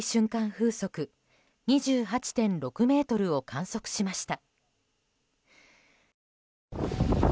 風速２８．６メートルを観測しました。